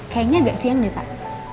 kayaknya gak siang deh pak